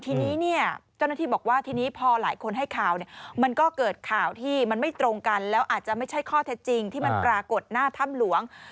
ทีนี้เนี่ยเจ้าหน้าที่บอกว่าทีนี้พอหลายคนให้ข่าวเนี่ยมันก็เกิดข่าวที่มันไม่ตรงกันแล้วอาจจะไม่ใช่ข้อเท็จจริงที่มันปรากฏหน้าถ้ำหลวง